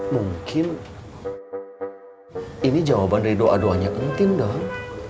mungkin ini jawaban dari doa doanya entin dong